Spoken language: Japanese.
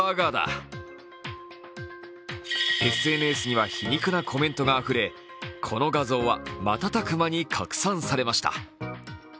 ＳＮＳには皮肉なコメントあふれ、この画像は瞬く間に拡散されました。